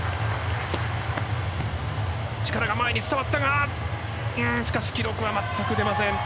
力が前に伝わったが記録は全く出ません。